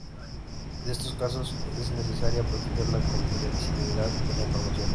En estos casos es necesaria proteger la confidencialidad de la información.